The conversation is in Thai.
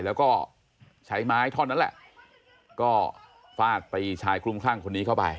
แล้วก็ใช้ไม้ท่อนนั้นแหละก็ฟาดไปชายคลุมข้างคนนี้เข้าไป